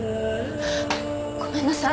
ごめんなさい！